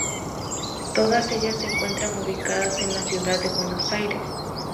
Todas ellas se encuentran ubicadas en la ciudad de Buenos Aires.